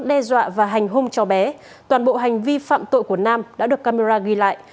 đe dọa và hành hung cháu bé toàn bộ hành vi phạm tội của nam đã được camera ghi lại